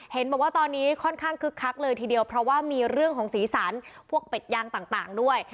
เห็นบอกว่าตอนนี้ค่อนข้างคึกคักเลยทีเดียวเพราะว่ามีเรื่องของสีสันพวกเป็ดยางต่างด้วย